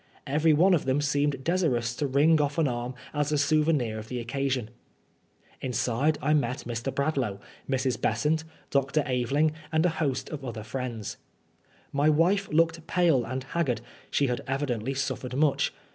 Everyone of them seemed desirous to wring off an arm as a souvenir of the occasion. Inside I met Mr. Bradlaugh, Mrs. Besant, Dr. Aveling, and a host of other friends. My wife looked pale and haggard. She had evidently suffered much.